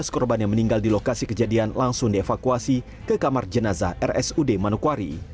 tujuh belas korban yang meninggal di lokasi kejadian langsung dievakuasi ke kamar jenazah rsud manokwari